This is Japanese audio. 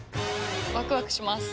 ワクワクします。